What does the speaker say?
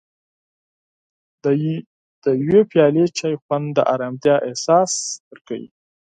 د یو پیاله چای خوند د ارامتیا احساس درکوي.